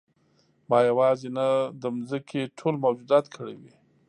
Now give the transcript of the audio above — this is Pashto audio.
ما یوازې نه د ځمکې ټول موجودات کړوي.